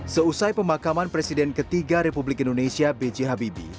seusai pemakaman presiden ketiga republik indonesia b j habibie